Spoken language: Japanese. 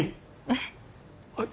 えっ？